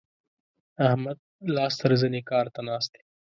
احمد لاس تر زنې کار ته ناست دی.